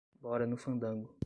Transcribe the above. Bora no fandango